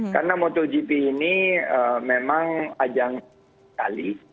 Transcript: karena motogp ini memang ajang sekali